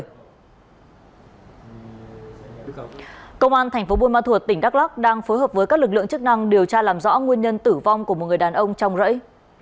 công an thành phố buôn ma thuột tỉnh đắk lắc đang phối hợp với các lực lượng chức năng điều tra làm rõ nguyên nhân tử vong của một người đàn ông trong rẫy